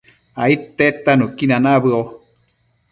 aidtedta nuqui nabëo